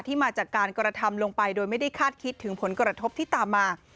มาจากการกระทำลงไปโดยไม่ได้คาดคิดถึงผลกระทบที่ตามมา